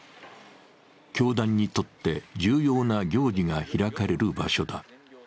教団にとって重要な行事が開かれる場所だ。